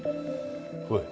おい